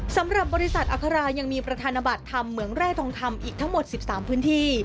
สำหรับบริษัทอัครายังมีประธานบัตรธรรมเหมืองแร่ทองคำอีกทั้งหมด๑๓พื้นที่